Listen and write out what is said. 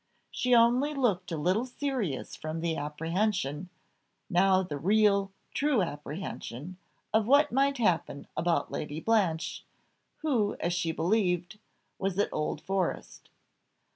She only looked a little serious from the apprehension, now the real, true apprehension, of what might happen about Lady Blanche, who, as she believed, was at Old Forest.